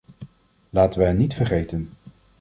Laten we hen niet vergeten.